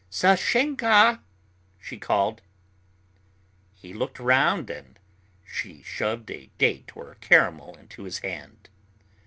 "Sashenka," she called. He looked round and she shoved a date or a caramel into his hand.